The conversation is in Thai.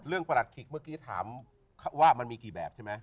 ประหลัดขิกเมื่อกี้ถามว่ามันมีกี่แบบใช่ไหม